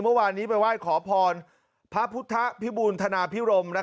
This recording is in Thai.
เมื่อวานนี้ไปไหว้ขอพรพระพุทธพิบูรณธนาพิรม